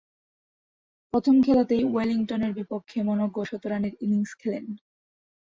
প্রথম খেলাতেই ওয়েলিংটনের বিপক্ষে মনোজ্ঞ শতরানের ইনিংস খেলেন।